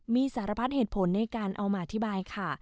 มีสารพัดเหตุผลในการเอามาอธิบายค่ะ